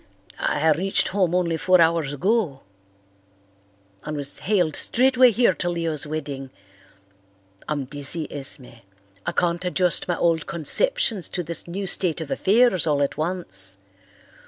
"I reached home only four hours ago, and was haled straightway here to Leo's wedding. I'm dizzy, Esme. I can't adjust my old conceptions to this new state of affairs all at once.